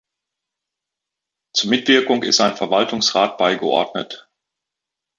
Zur Mitwirkung ist ein Verwaltungsrat beigeordnet.